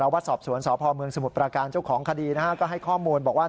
วัดสอบสวนสพเมืองสมุทรประการเจ้าของคดีก็ให้ข้อมูลบอกว่า